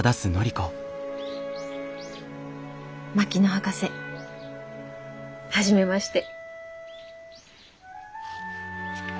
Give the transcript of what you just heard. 槙野博士初めまして。